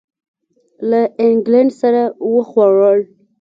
له اینګلینډ سره وخوړل.